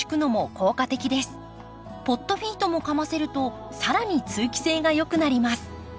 ポットフィートもかませると更に通気性がよくなります。